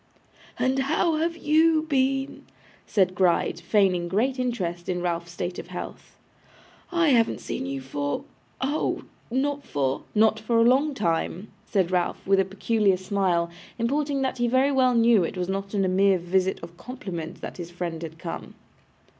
'And how have you been?' said Gride, feigning great interest in Ralph's state of health. 'I haven't seen you for oh! not for ' 'Not for a long time,' said Ralph, with a peculiar smile, importing that he very well knew it was not on a mere visit of compliment that his friend had come.